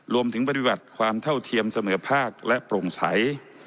ปฏิบัติความเท่าเทียมเสมอภาคและโปร่งใส